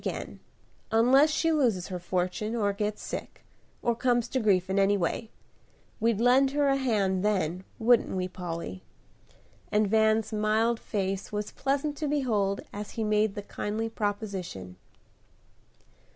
again, unless she loses her fortune, or gets sick, or comes to grief in any way. We'd lend her a hand then, wouldn't we, Polly?" and Van's mild face was pleasant to behold as he made the kindly proposition.